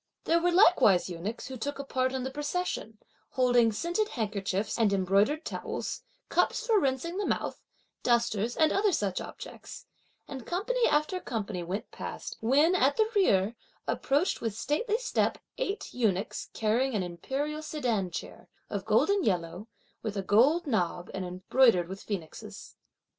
There were likewise eunuchs, who took a part in the procession, holding scented handkerchiefs and embroidered towels, cups for rinsing the mouth, dusters and other such objects; and company after company went past, when, at the rear, approached with stately step eight eunuchs carrying an imperial sedan chair, of golden yellow, with a gold knob and embroidered with phoenixes.